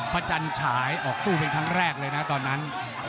พระจันตร์ฉายออกตู้เพียงทั้งแรกเลยนะตอนนั้น